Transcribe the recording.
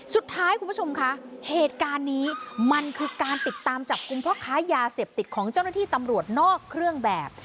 สุดท้ายคุณผู้ชมคะเหตุการณ์นี้มันคือการติดตามจับกลุ่มพ่อค้ายาเสพติดของเจ้าหน้าที่ตำรวจนอกเครื่องแบบ